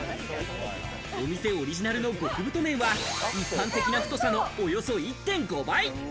お店オリジナルの極太麺は一般的な太さのおよそ１．５倍。